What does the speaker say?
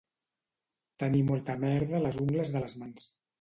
Tenir molta merda a les ungles de les mans.